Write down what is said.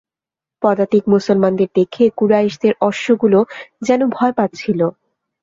পদাতিক মুসলমানদের দেখে কুরাইশদের অশ্বগুলোও যেন ভয় পাচ্ছিল।